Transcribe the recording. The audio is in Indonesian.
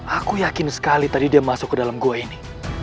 aku yakin sekali tadi dia masuk ke dalam gua ini